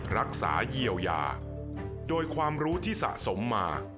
รักษาเยียวยาโดยความรู้ที่สะสมมา